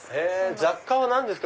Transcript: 雑貨は何ですか？